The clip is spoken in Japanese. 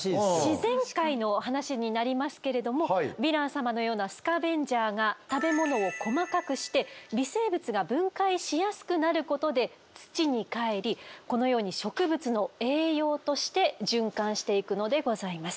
自然界の話になりますけれどもヴィラン様のようなスカベンジャーが食べ物を細かくして微生物が分解しやすくなることで土に返りこのように植物の栄養として循環していくのでございます。